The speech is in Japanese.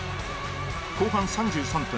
後半３３分。